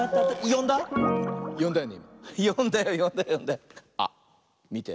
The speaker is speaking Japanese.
よんだよよんだよよんだよ。あっみて。